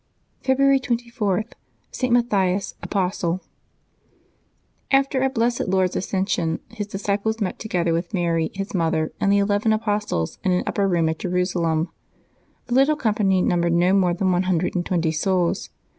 February 24.— ST. MATTHIAS, Apostle. FTER our blessed Lord's Ascension His disciples met together, with Mary His mother and the eleven apostles, in an upper room at Jerusalem. The little com pany numbered no more than one hundred and twenty souls.